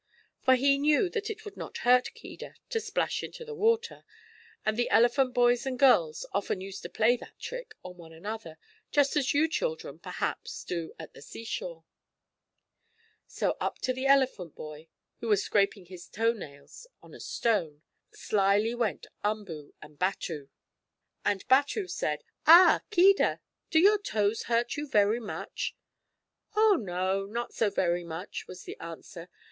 For he knew that it would not hurt Keedah to splash into the water, and the elephant boys and girls used often to play that trick on one another, just as you children, perhaps, do at the seashore. So up to the elephant boy, who was scraping his toe nails on a stone, slyly went Umboo and Batu. And Batu said: "Ah, Keedah! Do your toes hurt you very much?" "Oh, no, not so very much," was the answer.